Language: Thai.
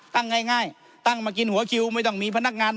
ตั้งง่ายตั้งมากินหัวคิวไม่ต้องมีพนักงาน